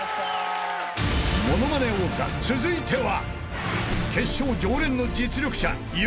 ［『ものまね王座』続いては］